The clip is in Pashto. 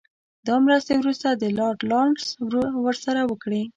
دا مرستې وروسته لارډ لارنس ورسره وکړې.